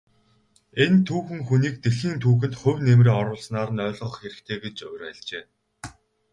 Энэ түүхэн хүнийг дэлхийн түүхэнд хувь нэмрээ оруулснаар нь ойлгох хэрэгтэй гэж уриалжээ.